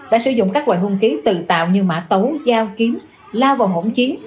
đã sử dụng các hoài hung ký tự tạo như mã tấu dao kiếm lao vào ngỗng chiến